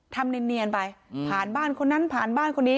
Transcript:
ทำเนียนไปผ่านบ้านคนนั้นผ่านบ้านคนนี้